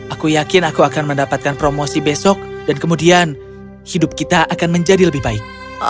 aku yakin aku akan mendapatkan promosi besok dan kemudian hidup kita akan menjadi lebih baik